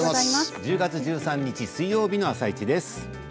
１０月１３日水曜日の「あさイチ」です。